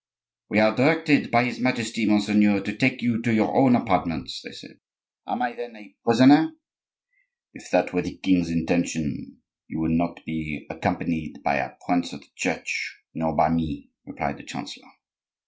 "We are directed by his Majesty, monseigneur, to take you to your own apartments," they said. "Am I, then, a prisoner?" "If that were the king's intention you would not be accompanied by a prince of the Church, nor by me," replied the chancellor.